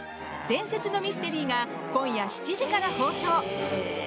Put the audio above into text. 伝説のミステリー」が今夜７時から放送。